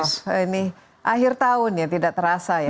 ini akhir tahun ya tidak terasa ya